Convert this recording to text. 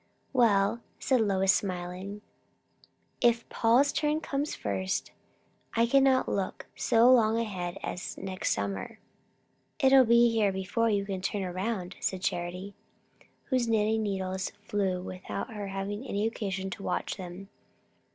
"Well," said Lois, smiling, "if Paul's turn comes first. I cannot look so long ahead as next summer." "It'll be here before you can turn round," said Charity, whose knitting needles flew without her having any occasion to watch them.